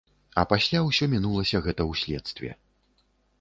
А пасля ўсё мінулася гэта ў следстве.